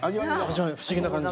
不思議な感じ。